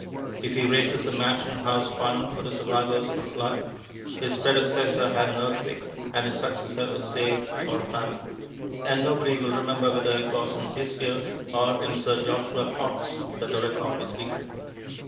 If he raises a Mansion House Fund for the survivors of a flood, his predecessor had an earthquake, and his successor is safe for a famine. And nobody will remember whether it was in this year or in Sir Joshua Potts' that the record was beaten.